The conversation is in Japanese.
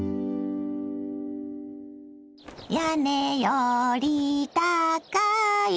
「屋根よりたかい」